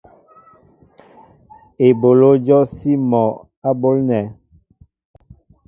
Eɓoló jɔsí mol á ɓólnέ.